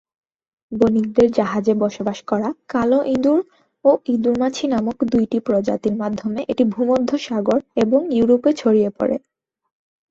বণিকদের জাহাজে বসবাস করা ‘কালো ইঁদুর’ ও ‘ইঁদুর মাছি’ নামক দুইটি প্রজাতির মাধ্যমে এটি ভূমধ্যসাগর এবং ইউরোপে ছড়িয়ে পড়ে।